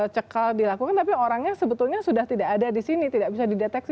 cekal dilakukan tapi orangnya sebetulnya sudah tidak ada di sini tidak bisa dideteksi